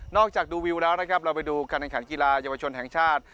จากดูวิวแล้วนะครับเราไปดูการแข่งขันกีฬาเยาวชนแห่งชาติ